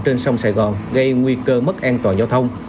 trên sông sài gòn gây nguy cơ mất an toàn giao thông